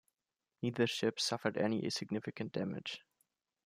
Neither ship suffered any significant damage.